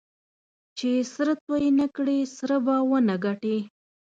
چې سره توی نه کړې؛ سره به و نه ګټې.